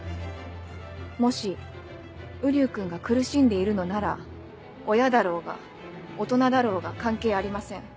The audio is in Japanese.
もし瓜生君が苦しんでいるのなら親だろうが大人だろうが関係ありません。